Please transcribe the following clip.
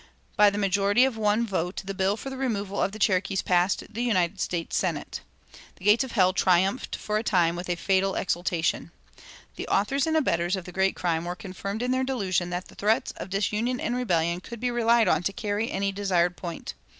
By the majority of one vote the bill for the removal of the Cherokees passed the United States Senate. The gates of hell triumphed for a time with a fatal exultation. The authors and abettors of the great crime were confirmed in their delusion that threats of disunion and rebellion could be relied on to carry any desired point.